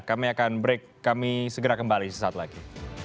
kami akan break kami segera kembali sesaat lagi